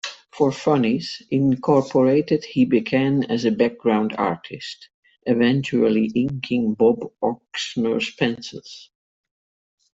For Funnies, Incorporated he began as a background artist, eventually inking Bob Oksner's pencils.